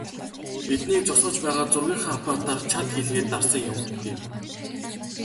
"Биднийг зогсоож байгаад зургийнхаа аппаратаар чад хийлгээд дарсан юм" гэв.